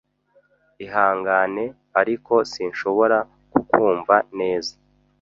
Ihangane, ariko sinshobora kukumva neza